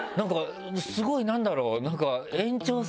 スゴい何だろう？